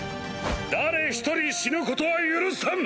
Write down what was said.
誰一人死ぬことは許さん！